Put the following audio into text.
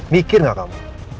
mikir gak kamu